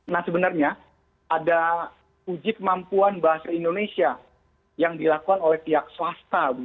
nah sebenarnya ada uji kemampuan bahasa indonesia yang dilakukan oleh pihak swasta